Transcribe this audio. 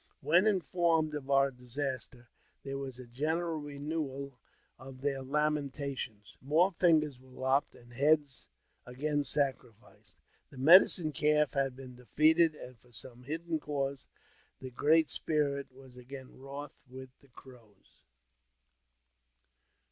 When informed of oui* disaster, there was a general renewal of their lamentations ; more fingers were lopped, and heads again scarified. The Medicine Calf had been defeated, and for some hidden cause the Great Spirit was again wroth with the Crows.